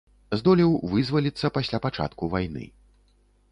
Здолеў вызваліцца пасля пачатку вайны.